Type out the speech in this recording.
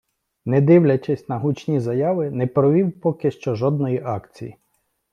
Не дивлячись на гучні заяви, не провів поки що жодної акції.